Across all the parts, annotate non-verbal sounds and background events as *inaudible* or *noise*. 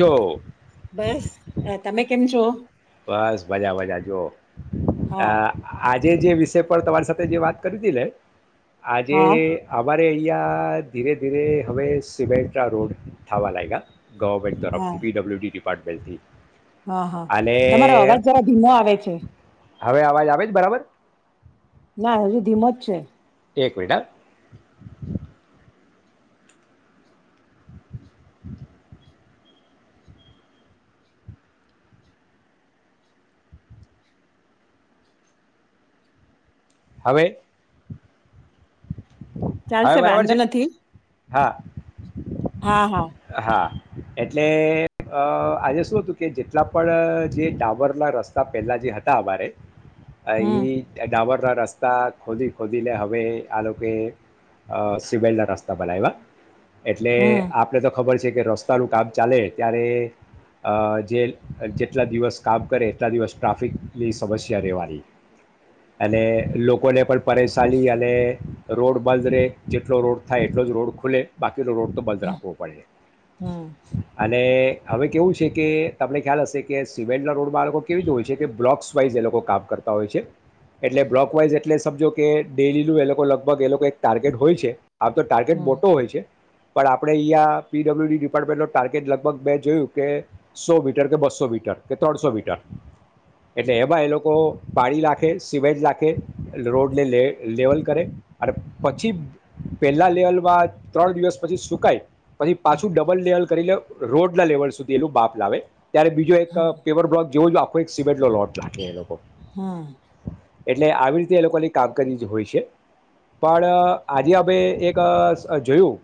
જો બસ તમે કેમ છો બસ મજા, મજા, અ, હા આ જે જે વિષય પર તમારી સાથે જે વાત કરી હતી લે આજે હા અવા અરેયા ધીરે, ધીરે, હવે સિમેન્ટ્રા રોડ થવા લાગ્યા ગવર્મેન્ટ હા તરફથી પી ડબ્લ્યુ ડી પાડવેલથી હા, હા, તમારો અવાજ જરા ધીમો આવે છે, હવે અવાજ આવે જ બરાબર ના હજુ ધીમી માં ઍક જ છે એક મિનિટ હ *inaudible* હવે હવે ચાલશે બરાબર વાંધો છે નથી, હા હા, હા હા એટલે આજે શું હતું કે જેટલા પણ જે ટાવરના રસ્તા પહેલાં જે હતા અમારે હમ એ ડાબર બધા રસ્તા ખોદી ખોદીને હવે આ લોકો સિવાલના રસ્તા બનાવ્યા એટલે હમ આપ ને તો ખબર છે કે રસ્તાનું કામ ચાલે ત્યારે જે જેટલા દિવસ કામ કરે એટલા દિવસ ટ્રાફિકની સમસ્યા રહેવાની અને લોકોને પણ પરેશાની અને રોડ બંધ રહે જેટલો રોડ થાય એટલો જ રોડ ખુલે બાકી પેલો રોડ તો બજા હમ હમ *inaudible* અને હવે કેવું છે, કે તમને ખ્યાલ હશે કે, સિમેન્ટના રોડમાં આ લોકો કેવી રીતે હોય છે, કે બ્લોક્સવાઇઝ એ લોકો કામ કરતા હોય છે, એટલે બ્લોકવાઈઝ એટલે સમજો કે ડેલીનું એ લોકો લગભગ એ લોકો એક ટાર્ગેટ હોય છે આ તો ટાર્ગેટ મોટો હોય છે પણ આ આપણે અહીંયા પીડબલ્યુડી ડિપાર્ટમેન્ટનો ટાર્ગેટ લગભગ બે જોયું કે સો મીટર કે બસો મીટર કે ત્રણસો મીટર એટલે એમાં એ લોકો પાણી લખે સીવેજ લખે રોડને લે લેવલ કરે અને પછી પહેલાં લેવલમાં ત્રણ દિવસ પછી શુકાય પછી પાછું ડબલ ડેલ રોડ ના લેવલ સુધી એલું બાપ લાવે ત્યારે બીજું એક હમ પેપર બ્લોક જેવો જ આપો કોઈ એક સિબેટલો લોટ રાખે એ લોકો હમ એટલે આવી રીતે એ લોકોની કામગરી જ હોય છે પણ આજે આપણે એક જોયું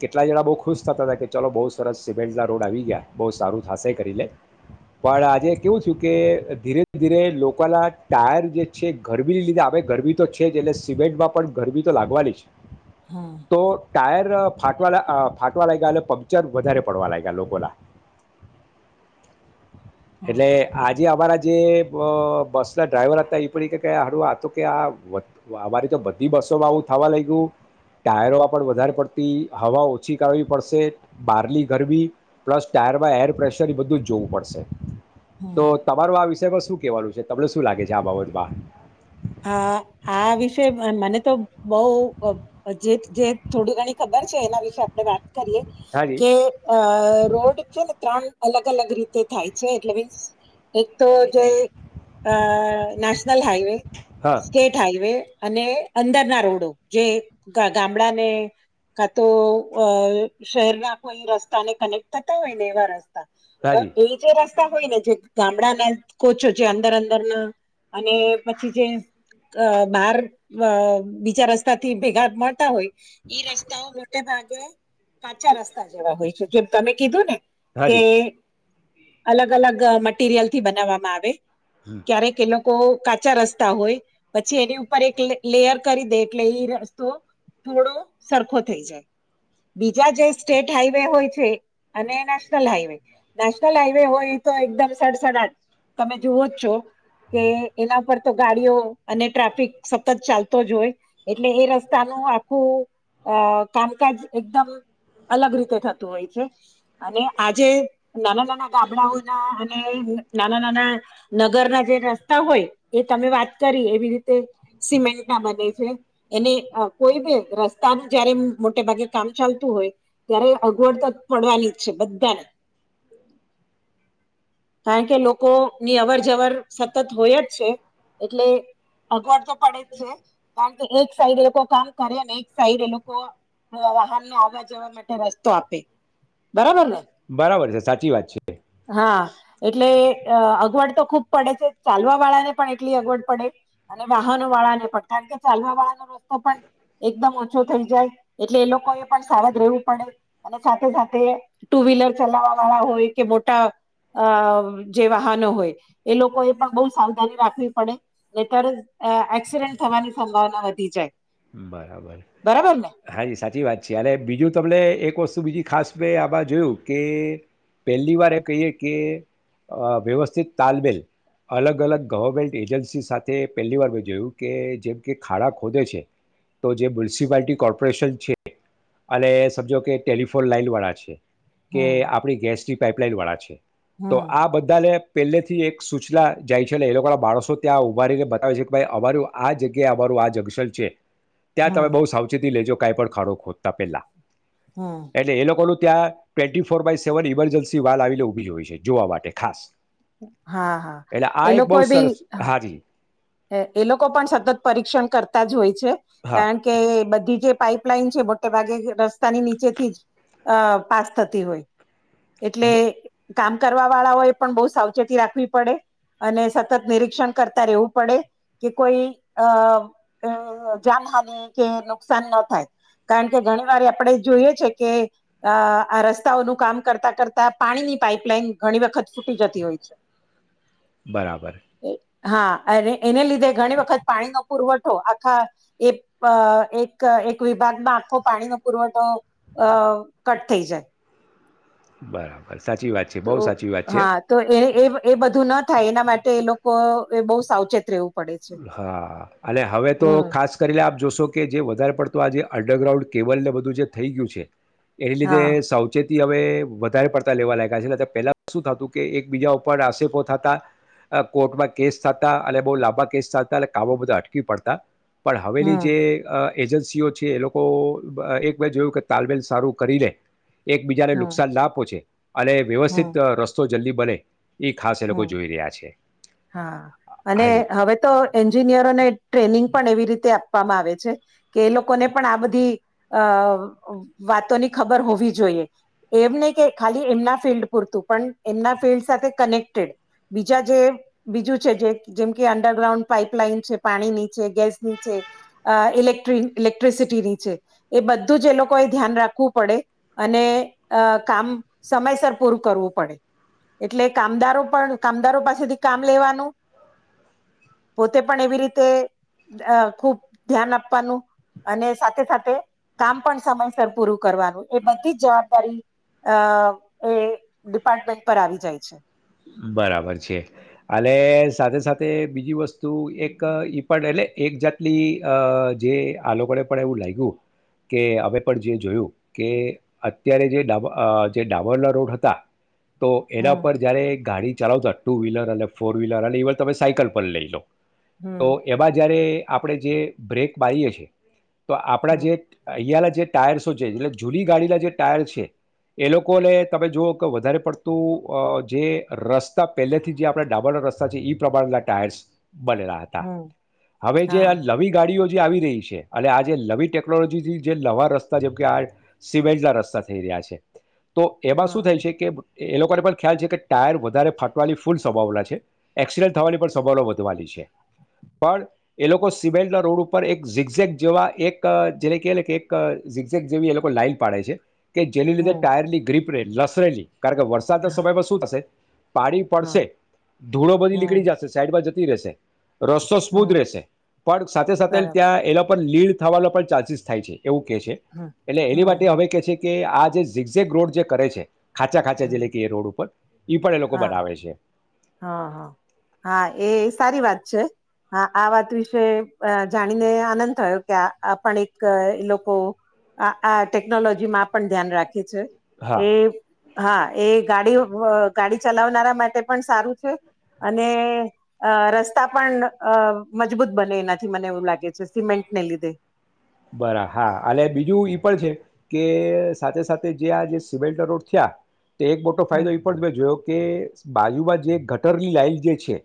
કે એટલા જણા બહુ ખુશ થતા હતા કે ચલો બહુ સરસ સિમેન્ટના રોડ આવી ગયા બહુ સારું થાશે કરી લે પણ, આજે કેવું થયું કે ધીરે ધીરે લોકોના ટાયર જે છે ગરબી લીધે આવે ગરમી તો છે જ એટલે સિમેન્ટમાં પણ ગરમી તો લાગવાની છે હમ તો ટાયર ફાટવા ફાટવા લાગ્યા પંચર વધારે પડવા લાગ્યા લોકોના હા એટલે આજે અમારા જે બસ ના ડ્રાઈવર હતા એ પણડી કે હારું આ તો કે આ અમારી તો બધી બસોમાં આવું થવા લાગ્યું ટાયરોમાં પણ વધારે પડતી હવા ઓછી કરવી પડશ બહારલી ગરબી પ્લસ ટાયરમાં એર પ્રેશર એ બધું જ જોવું પડશે હમ હમ તો તમારું આ વિષયમાં શું કેવાનું છે, તમને શું લાગે છે આ બાબતમાં હ, આ વિશે મને તો બઉ જે થોડી ઘણી ખબર છે એના વિશે આપણે વાત કરીએ હાજી કે રોડ છે ને ત્રણ અલગ અલગ રીતે થાય છે એટલે મીન્સ એક તો જો અ નેશનલ હાઈવે હા સ્ટેટ હાઈવે અને અંદરના રોડો જે ગામડાને કા તો શહેરના કોઈ રસ્તાને કનેક્ટ થતા હોય ને એવા રસ્તા તો હાજી એ જે હોયને જે ગામડાના કોચો છે, અંદર અંદરના અને પછી જે અ બહાર બીજા રસ્તાથી ભેગા મળતા હોય રસ્તાઓ ઈ મોટે ભાગે કાચા રસ્તા જેવા હોય છે જેમ તમે કીધું ને કે હાજી અલગ અલગ મટીરિયલ થી બનાવવામાં આવે હમ. ક્યારેક એ લોકો કો કાચા રસ્તા હોય પછી એની ઉપર એક લેયર કરી દે એટલે એ રસ્તો થોડો સરખો થઈ જાય, બીજા જે સ્ટેટ હાઈવે હોય છે અને નેશનલ હાઈવે નેશનલ હાઈવે હોય એ તો એકદમ સડસડાટ તમે જોવો જ છો કે એના પર તો ગાડીઓ અને ટ્રાફિક સતત ચાલતો જ હોય એટલે એ રસ્તાનું આખું અ કામકાજ એકદમ અલગ રીતે થતું હોય છે અને આજે નાના, નાના ગાબડાઓ ના અને નાના, નાના, નગર ના જે રસ્તા હોય એ તમે વાત કરી એવી રીતે સિમેન્ટ ના બને છે એને કોઈ બ રસ્તાનું જયારે મોટે ભાગે કામ ચાલતું હોય, ત્યારે અગવડ તો જ પડવાની જ છે બધાને કારણ કે લોકોની અવર જવર સતત હોય જ છે. એટલે અગવડ તો પડે જ છે કારણ કે એક સાઈડ એ લોકો કામ કરે ને એક સાઈડ એ લોકો, વાહનને આવવા જવા માટે રસ્તો આપે બરોબર ને બરાબર છે સાચી વાત છે હા, એટલે અ અગવડ તો ખુબ પડે છે, ચાલવા વાળા ને પણ અગવડ પડે અને વાહનો વાળાને પણ કારણ કે ચાલવા વાળાનો રસ્તો પણ એકદમ ઓછો થઈ, જાય. એટલે એ લોકો એ પણ સાવધ રહેવું પડે અને સાથે સાથે ટુ વ્હીલર ચલાવવા વાળા હોય, કે મોટા અ જે વાહનો હોય એ લોકો એ પણ બહુ સાવધાની રાખવી પડે ત્યારે એક્સિડેન્ટ થવાની સંભાવના વધી જાય બરાબર બરાબર ને હાજી સાચી વાત છે, અને બીજું તમને એક વસ્તુ તો બીજી ખાસ મેં આમાં જોયુ, કે પહેલી વાર એ કહીએ કે વ્યવસ્થિત, તાલમેલ અલગ અલગ ગવર્મેન્ટ એજન્સી સાથે પહેલી વાર મેં જોયું કે જેમ કે ખાડા ખોદે છે. તો જે મ્યુનિસિપાલિટી કોર્પોરેશન છે. અને સમજો કે ટેલિફોન લાાઈન વાળા છે. કે હમ આપણી ગેસ્ટ્રી પાઇપલાઈન વાળા છે. તો હમ આ બધાને પહેલેથી એક સૂચલા જાય છે અને એ લોકોના માણસો ત્યાં ઉઊભા રને બતાવે છે, કે ભાઈ અમારું આ જગ્યાએ અમારું આ જંગસલ છે. ત્યા, તમે હમ બહુ સાવચેતી લેજો કઈ, પણ ખારોખત તપેલા હમ એટલે એ લોકોનુ ત્યાર સેવન ઇમરજન્સી વા આવી ઉભી હોય છે, જોવા માટે ખાસ હા, હા, એટલે આ એ એક લોકો બહુ ભી સરસ હાજી હે, એ લોકો પણ સતત પરીક્ષણ કરતા જ હોય છે હા કારણ કે બધી જ જે પાઈપલાઇન છે મોટે ભાગે રસ્તાની નીચેથી જ અ પાસ થતી હોય એટલે બ કામ કરવા વાળાઓ એ પણ બહુ સાવચેતી રાખવી પડે અને સતત નિરીક્ષણ કરતા રહેવું પડે કે કોઈ અ જાનહાની કે નુકસાન ન થાય કારણ કે ઘણી વાર આપણે જોઈએ છે કે આ રસ્તાઓનું કામ કરતા કરતા પાણીની પાઈપલાઈન ઘણી વખત ફૂટી જતી હોય છે. બરાબર. હા. અને એને લીધે ઘણી વખત પાણીનો પુરવઠો આખા એક એક એક વિભાગમાં આખો પાણીનો પુરવઠો અ કટ થઈ જાય. બરાબર. સાચી વાત છે તો બહુ સાચી વાત છે. હા તો એ એ એ બધું ના થાય એના માટે એ લોકો એ બહુ સાવચેત રહેવું પડે છે. હા અને હવે તો હમ ખાસ કરીને આપ જોશો કે જે વધારે પડ તો આજે અંડરગ્રાઉન્ડ કેવલ ને બધું જે થઈ ગયું છે એને લીધે હા સાવચેતી હવે વધારે પડતા લેવા લાગ્યા છે પેલા શું થતું કે એક બીજા ઉપર આક્ષપો થતા કોર્ટમાં કેસ થતા અને બહુ લાબા કેસ ચાલતા કાબો બધા અટકી પડતા પણ હવેલી હમ જે એજન્સીઓ છે એ લોકો એક બે જોયું કે તાલમેલ સારું કરી લે એકબીજાને હમ નુકસાન ના પહોંચે અને હમ વ્યવસ્થિત રસ્તો જલ્દી બને એ ખાસ એ હમ લોકો જોઈ રહ્યા છે હા અને હાજી. હવે તો એન્જિનિયરોને ટ્રેનિંગ પણ એવી રીતે આપવામાં આવે છે કે એ લોકોને પણ આ બધી અ વાતોની ખબર હોવી જોઈએ એમ નહી કે ખાલી એમના ફિલ્ડ પૂરતું પણ એમના ફિલ્ડ સાથે કનેક્ટ બીજા જે બીજું છે જે જેમ કે અંડરગ્રાઉન્ડ પાઈપલાઈન છે પાણીની છે ગેસની છે ઇલે ઇલેક્ટ્રિસિટીની છે એ બધું જ એ લોકોએ ધ્યાન રાખવું પડે અને કામ સમયસર પૂરું કરવું પડે એટલે કામદારો પણ કામદારો પાસેથી કામ લેવાનું પોતે પણ એવી રીતે ખુબ ધ્યાન આપવાનું અને સાથે સાથે કામ પણ સમયસર પૂરું કરવાનું એ બધી જ જવાબદારી અ એ ડિપાર્ટમેન્ટ પર આવી જાય છે. બરાબર છે અને સાથે સાથે બીજી વસ્તુ એક ઈ પણ એટલે એક જાતની જે આ લોકોને પણ એવું લાગ્યું કે અમે પણ જે જોયું કે અત્યારે જે ડાબ જે ડામરના રોડ હતા. તો એના હમ પર જયારે ગાડી ચલાવતા ટુ વ્હીલર અને ફોર વ્હીલર અનેવર તમે સાયકલ પર લઈ લો. તો હમ એવા જયારે આપણે જે બ્રેક મારીએ છીએ. તો આપડા જે હમ અહીયાલા જે ટાયર્સો છે એટલે જૂની ગાડીના જે ટાયર છે એ લોકોને તમે જુઓ કે વધારે પડતું જે રસ્તા પહેલેથી જે આપણે ડાબરના રસ્તા છે ઈ પ્રમાણેના ટાયર્સ બનેલા હતા હમ હવે જે હા લવી ગાડીઓ આવી રહી છે અને આ જે નવી ટેકનોલોજીથી જે નવા રસ્તા જે આ સિમેન્ટના રસ્તા થઈ રહ્યા છે. તો એવા શું હા થાય છે કે એ લોકો ને પણ ખ્યાલ છે કે ટાયર વધારે ફાટવાની ફૂલ સંભાવના છે એક્સિડન્ટ થવાની પણ સંભાવના વધવાની છે પણ એ લોકો સિમેન્ટના રોડ ઉપર એક ઝિકઝેક જેવા એક જે કે કે એક ઝિકઝેક જેવી એ લોકો લાઈન પાડે છે. કે જેની લીધે હમ ટાયરલી ગ્રીપ રસજ *unintelligible* કારણ કે વરસાદના સમયમાં શું થશે પાણી હા પડશે, ધૂળો બધી નીકળી હમ જશે સાઈડ જ સુરશે *unintelligible* રસ્તો હમ સ્મૂથ રહેશે પણ સાથે સાથે બરાબર ત્યાં એ લોકો લીડ થવાનો પણ ચાન્સીસ થાય છે પણ એવું કે છે હમ એટલે એની હમ માટે હવે કે છે, કે આ જે ઝીકઝેક રોડ જે કરે છે ખાચા ખાંચા હમ જિલ્લે કે એ રોડ ઉપર ઈ પણ એ લોકો હા બનાવે છે હા, હ, હા, એ સારી વાત છે, હા આ વાત વિશે જાણીને આનંદ થયો કે આ પણ એક લોકો આ ટેકનોલોજી માં પણ ધ્યાન રાખે છે હા એ હા એ ગાડી ગાડી ચલાવનારા માટે પણ સારું છે, અને રસ્તા પણ મજબૂત બને એનાથી મને એવું લાગે છે સિમેન્ટને લીધે. બરા હા અને બીજું ઈ પણ છે, કે સાથે સાથે જે આ જે સિવેલન્ટ રોડ થયા. તે એક મોટો હમ ફાયદો એ પણ ભ જોયો કે બાજુમાં જે ગટરની લાાઈન જે છે,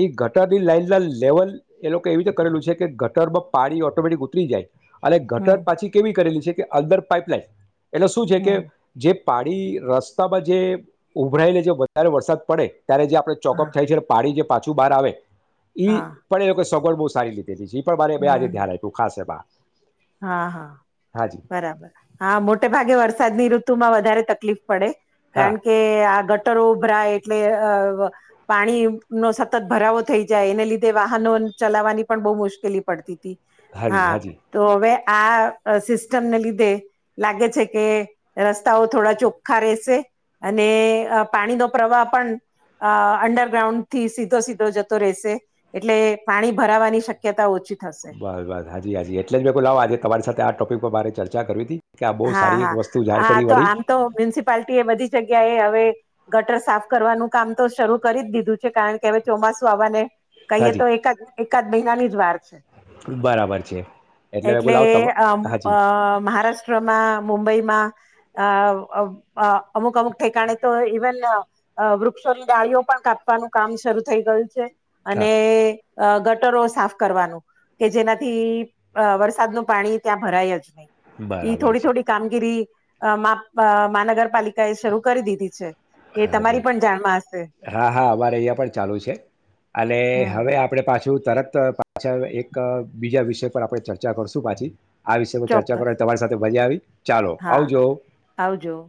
એ ગટરની લાઈનના લેવલ એ લોકો એવી રીતે કરેલું છે કે બ પ પાડી ઓટોમેટિક ઉતરી જાય. અને ઘટર હમ પાછી કેવી કરેલી છે કે અલદર પાઇપલાઇન એટલે શું છે કે હમ જે પાડી રસ્તામાં જે ઉભરાયેને જે વધારે વરસાદ પડે. ત્યારે જે આપડે હા ચોકઅપ થાય છે પાડી જે પાછું બહાર આવે. ઈ હા પડે સગ બુ સારી ી પણ મારે ભાઈ હમ આજે હમ ધ્યાન આપ્યું ખાસ હ બા. હા હા બરાબર, હા મોટે ભાગે વરસાદની ઋ તું માં વધારે તકલીફ. પડે કારણ હા કે આ ગટરો ઉભરાય. એટલે પાણીનો સતત ભરાવો થઈ જાય એને લીધે વાહનો ચલાવવાની પણ બહુ મુશ્કેલી પડતી. હાજી હા. હાજી હવે આ સિસ્ટમને લીધે લાગે છે કે રસ્તાઓ થોડા ચોખ્ખા રહેશે અને પાણીનો પ્રવાહ પણ અંડરગ્રાઉન્ડ થી સીધો સીધો જતો રહેશે એટલે પાણી ભરાવાની શક્યતા ઓછી. થશે બસ બસ હાજી હાજી એજ. અલેશભાઈ બુલાવ આજે તમારી સાથે આ ટોપિક બ ચર્ચા કરી હતી. કે આ બહુ હા સારી એક હા વસ્તુ જાણ હા કરી તો વળી આમ તો મ્યુનિસિપાલટી એ બધી જગ્યાએ હવે. ગટર સાફ કરવાનું કામ તો શરૂ કરી જ દીધું છે કારણ કે હવે ચોમાસું આવાને. કઈએ તો હાજી એકા ક મહિના ની જ વાર. બરાબર છે મેં કહ્યું એટલે લાવો તમ અ હાજી મહારાષ્ટ્ર. મુંબઈમાં અ અ અમુક અમુક ઠેકાણે તો ઇવન વૃક્ષોની ડાળીઓ પણ કાપવાનું કામ શરૂ થઈ ગયું છે. હા અને. અ ગટરો સાફ કરવાનું કે જેનાથી અ વરસાદનું પાણી ત્યાં ભરાય જ ન એઈ બરાબર થોડી છે થોડી કામગીરી અ મહાનગરપાલિકા એ શરૂ કરી દીધી છે. એ હા જ તમારી પણ જાણમાં હશે હા હા અમારે અહયા પણ ચાલુ છે, અને હમ હવે આપે પાછું શું તરત પાછા એક બીજા વિષય પર આપણે ચર્ચા કરશું પાછી. આ વિષયમાં ચર્ચા ચોક્કસ કરવાની તમારી સાથે મજા આવી. ચાલો હા આવજો. આવજો